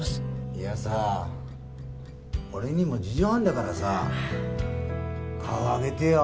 いやさ俺にも事情あんだからさ顔上げてよ